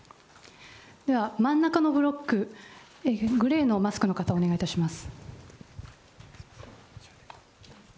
では真ん中のブロック、グレーのマスクの方、お願いいたします。